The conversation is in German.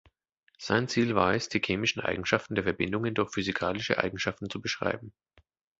Sein Ziel war es, die chemischen Eigenschaften der Verbindungen durch physikalische Eigenschaften zu beschreiben.